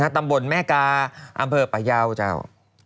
ตำบลแม่กาอำเภอปะยาวเจ้า